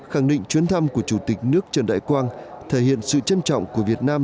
khẳng định chuyến thăm của chủ tịch nước trần đại quang thể hiện sự trân trọng của việt nam